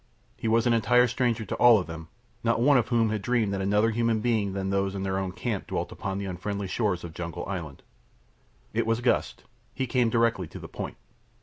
He was an entire stranger to all of them, not one of whom had dreamed that another human being than those of their own camp dwelt upon the unfriendly shores of Jungle Island. It was Gust. He came directly to the point.